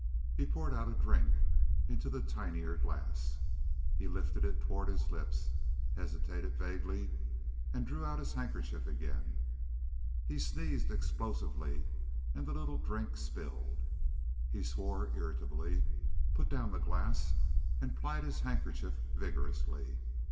He poured out a drink into the tinier glass. He lifted it toward his lips, hesitated vaguely, and drew out his handkerchief again. He sneezed explosively, and the drink spilled. He swore irritably, put down the glass, and plied his handkerchief vigorously.